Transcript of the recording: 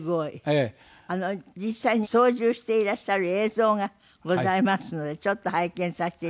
実際に操縦していらっしゃる映像がございますのでちょっと拝見させていただきます。